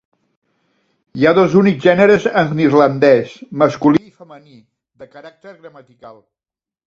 Hi ha dos únics gèneres en irlandès, masculí i femení, de caràcter gramatical.